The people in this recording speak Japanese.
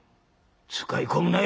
使い込むなよ」。